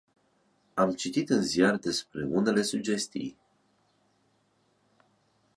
Am citit în ziar despre unele sugestii.